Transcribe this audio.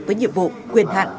với nhiệm vụ quyền hạn